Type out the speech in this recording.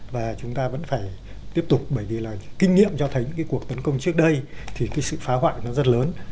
và chúng ta vẫn phải tiếp tục bởi vì là kinh nghiệm cho thấy cái cuộc tấn công trước đây thì cái sự phá hoại nó rất lớn